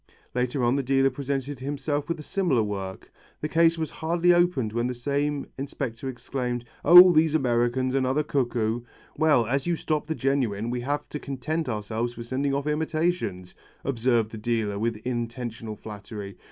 Later on the dealer presented himself with a similar work. The case was hardly opened when the same inspector exclaimed, "Oh these Americans! Another cuckoo." "Well, as you stop the genuine we have to content ourselves with sending off imitations," observed the dealer with intentional flattery.